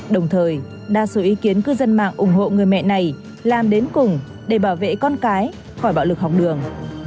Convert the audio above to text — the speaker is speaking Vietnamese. đồng thời đa số ý kiến cư dân mạng ủng hộ người mẹ này làm đến cùng để bảo vệ con cái khỏi bạo lực học đường